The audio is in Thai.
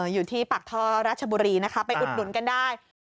อยู่ที่ปากท่อราชบุรีนะคะไปอุดหนุนกันได้